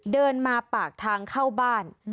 เดินมาปากทางเข้าบ้าน